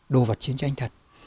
đồ vật chiến tranh thật